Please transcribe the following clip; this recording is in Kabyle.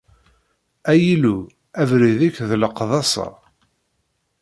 Ay Illu, abrid-ik, d leqdasa!